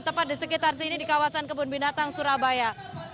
tepat di sekitar sini di kawasan kebun binatang surabaya